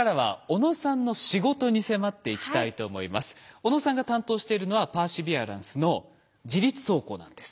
小野さんが担当しているのはパーシビアランスの自律走行なんです。